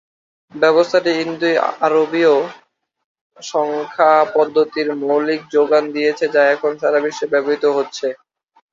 ব্যবস্থাটি ইন্দো-আরবী সংখ্যা পদ্ধতির মৌলিক যোগান দিয়েছে যা এখন সারা বিশ্বে ব্যবহৃত হচ্ছে।